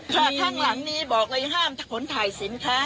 ข้างหลังนี้บอกเลยห้ามขนถ่ายสินค้า